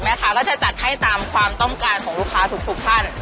ก็จะจัดให้ตามความต้องการของลูกค้าทุกท่าน